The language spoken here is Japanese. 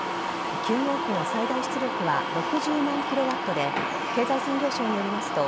９号機の最大出力は６０万キロワットで経済産業省によりますと